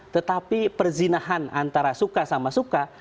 tetapi perzinahan antara suka sama suka